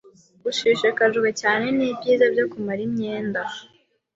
Ushishikajwe cyane nibyiza byo kumara imyenda